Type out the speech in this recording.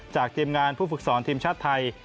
ทีมงานผู้ฝึกสอนทีมชาติไทย